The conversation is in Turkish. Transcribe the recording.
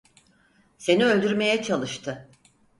Seni öldürmeye çalıştı.